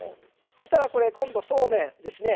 そしたらこれ今度そうめんですね。